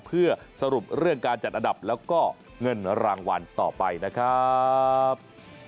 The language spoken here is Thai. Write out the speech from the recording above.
เพื่อสรุปเรื่องการจัดอันดับแล้วก็เงินรางวัลต่อไปนะครับ